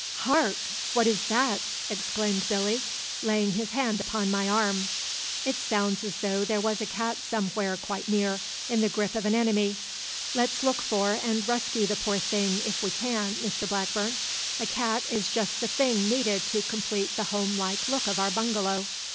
"Hark! what is that?" exclaimed Billy, laying his hand upon my arm. "It sounds as though there was a cat somewhere quite near, in the grip of an enemy. Let's look for and rescue the poor thing, if we can, Mr Blackburn. A cat is just the one thing needed to complete the homelike look of our bungalow.